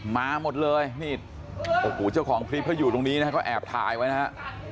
มาหมดเลยนี่โอ้โหเจ้าของคลิปเขาอยู่ตรงนี้นะฮะเขาแอบถ่ายไว้นะฮะ